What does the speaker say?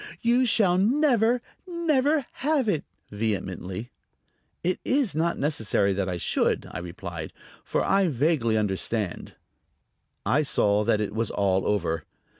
"You shall never, never have it!" vehemently. "It is not necessary that I should," I replied; "for I vaguely understand." I saw that it was all over.